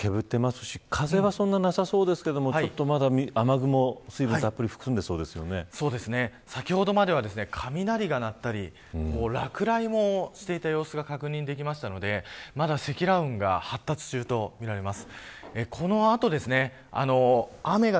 煙っていますし風はそんなになさそうですけどちょっとまだ雨雲、水分たっぷり先ほどまでは雷が鳴ったり落雷もしていた様子が確認できましたのでまだ積乱雲が発達中とみられます。